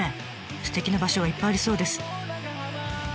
すてきな場所がいっぱいありそうです。